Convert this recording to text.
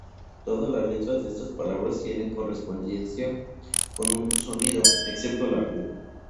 Todas las letras de estas palabras tienen correspondencia con un sonido, excepto la "u".